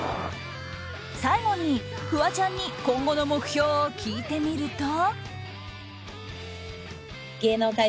最後にフワちゃんに今後の目標を聞いてみると。